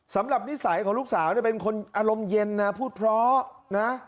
สำหรับนิสัยของลูกสาวเป็นคนอารมณ์เย็นนะพูดเพราะ